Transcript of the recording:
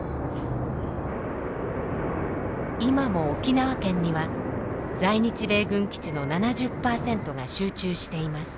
今も沖縄県には在日米軍基地の７０％が集中しています。